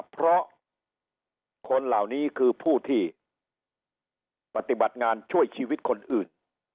เพราะคนเหล่านี้คือผู้ที่ปฏิบัติงานช่วยชีวิตคนอื่น